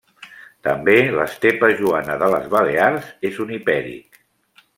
També l'estepa joana de les Balears és un hipèric.